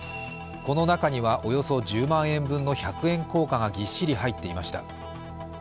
この中にはおよそ１００万円分の百円硬貨がぎっしりと入っていました。